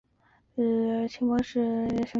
清风是天地之别的兄弟。